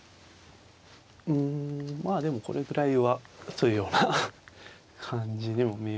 うんまあでもこれぐらいはというような感じにも見えますかね。